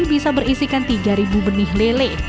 bisa berisikan tiga benih lele